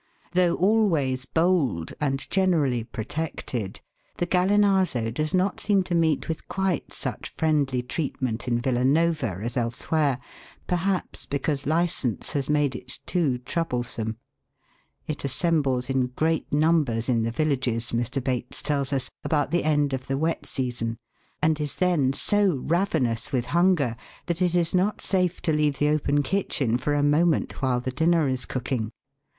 Though always bold, and generally protected, the Gallinazo does not seem to meet with quite such friendly treatment in Villa Nova as elsewhere, perhaps because licence has made it too troublesome. It assembles in great numbers in the villages, Mr. Bates tells us, about the end of the wet season, and is then so ravenous with hunger that it is not safe to leave the open kitchen for a moment while the dinner is cooking.